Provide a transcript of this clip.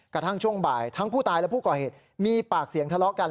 ช่วงบ่ายทั้งผู้ตายและผู้ก่อเหตุมีปากเสียงทะเลาะกัน